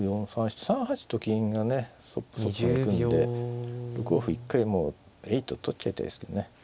３八と金がねそっぽに行くんで６五歩一回もうえいっと取っちゃいたいですけどね。